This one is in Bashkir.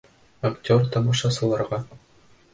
Актер тамашасыларға.